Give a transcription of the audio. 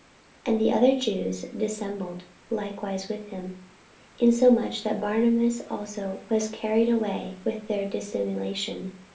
48:002:013 And the other Jews dissembled likewise with him; insomuch that Barnabas also was carried away with their dissimulation.